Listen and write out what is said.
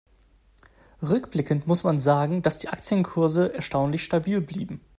Rückblickend muss man sagen, dass die Aktienkurse erstaunlich stabil blieben.